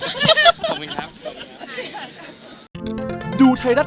ขอบคุณครับ